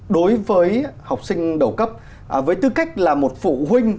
đối với học sinh đầu cấp với tư cách là một phụ huynh